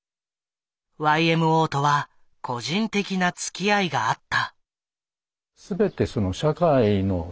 ＹＭＯとは個人的なつきあいがあった。